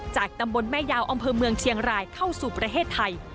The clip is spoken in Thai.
จากตำบลแม่ยาวอำเภอเมืองเชียงรายเข้าสู่ประเทศไทย